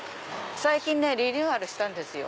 最近リニューアルしたんですよ。